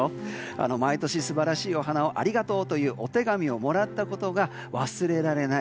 毎年、素晴らしいお花をありがとうというお手紙をもらったことが忘れられない